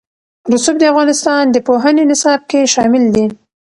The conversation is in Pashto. رسوب د افغانستان د پوهنې نصاب کې شامل دي.